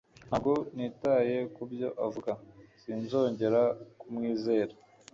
Ntabwo nitaye kubyo avuga. Sinzongera kumwizera.